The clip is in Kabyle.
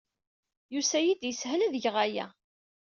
Yusa-iyi-d yeshel ad geɣ aya.